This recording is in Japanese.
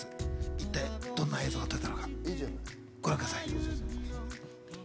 一体どんな映像が撮れたのかご覧ください。